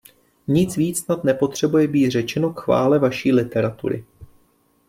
Nic víc snad nepotřebuje být řečeno k chvále vaší literatury.